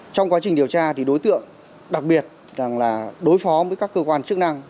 trong quá trình điều tra thì đối tượng đặc biệt rằng là đối phó với các cơ quan chức năng